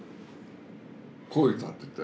声たてて。